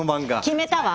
決めたわ！